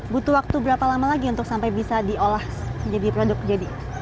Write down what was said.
butuh waktu berapa lama lagi untuk sampai bisa diolah menjadi produk jadi